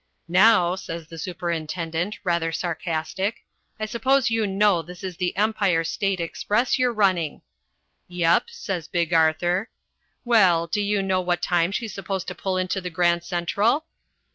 'Now,' says the superintendent, rather sarcastic, 'I suppose you know this is the Empire State Express you're running?' 'Yep,' says Big Arthur. 'Well, do you know what time she's supposed to pull into the Grand Central?'